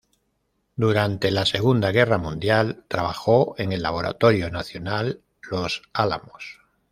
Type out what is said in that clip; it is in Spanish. Durante la Segunda guerra mundial, trabajó en el Laboratorio Nacional Los Álamos.